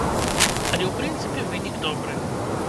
Але ў прынцыпе вынік добры.